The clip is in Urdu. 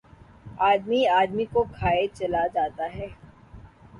آدمی، آدمی کو کھائے چلا جاتا ہے